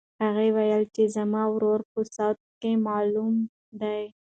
هغې وویل چې زما ورور په سوات کې معلم دی.